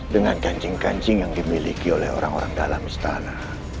dengan kancing kancing yang dimiliki oleh orang orang dalam istana